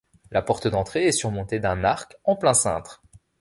La porte d'entrée est surmontée d'un arc en plein cintre.